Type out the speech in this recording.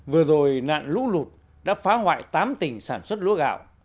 vừa rồi nạn lũ lụt đã phá hoại tám tỉnh sản xuất lúa gạo